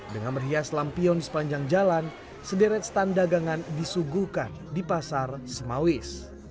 dengan merias lampion di sepanjang jalan sederet stand dagangan disuguhkan di pasar semawis